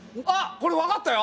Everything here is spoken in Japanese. これわかったよ。